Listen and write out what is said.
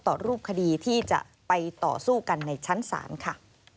ต่อรูปคดีที่จะไปต่อสู้กันในชั้นศาลค่ะ